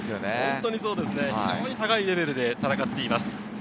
非常に高いレベルで戦っています。